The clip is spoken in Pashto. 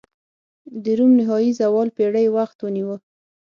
د روم نهايي زوال پېړۍ وخت ونیوه.